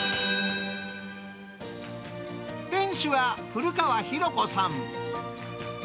店主は古川洋子さん。